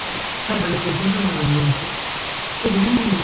El equipo recibió el nombre de Next Generation Hart Foundation.